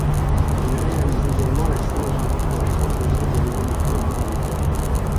Il réalise également la scénographie de la Grande galerie de l'Évolution à Paris.